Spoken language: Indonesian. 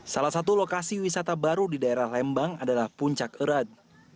salah satu lokasi wisata baru di daerah lembang adalah puncak erat